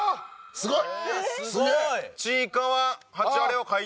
すごい。